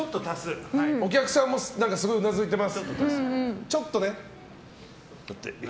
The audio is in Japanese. お客さんも少しうなずいています。